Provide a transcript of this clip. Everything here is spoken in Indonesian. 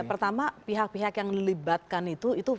ya pertama pihak pihak yang dilibatkan itu